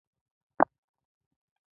اراده پکار ده